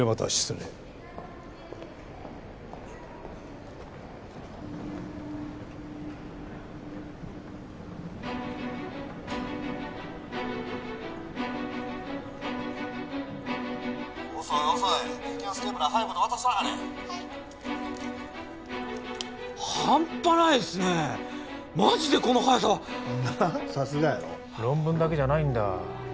論文だけじゃないんだ。